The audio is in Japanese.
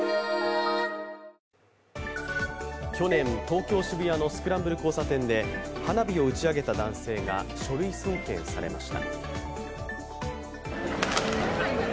去年、東京・渋谷のスクランブル交差点で花火を打ち上げた男性が書類送検されました。